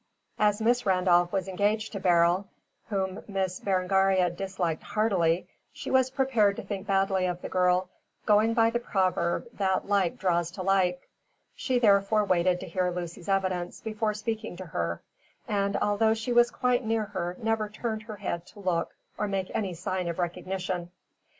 As Miss Randolph was engaged to Beryl, whom Miss Berengaria disliked heartily, she was prepared to think badly of the girl, going by the proverb that like draws to like. She therefore waited to hear Lucy's evidence before speaking to her, and although she was quite near her never turned her head to look or make any sign of recognition.